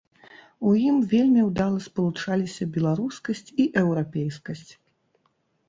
У ім вельмі ўдала спалучаліся беларускасць і еўрапейскасць.